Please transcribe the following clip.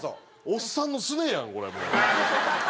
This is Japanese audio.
おっさんのすねやんこれもう。